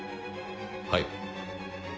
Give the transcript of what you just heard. ・はい。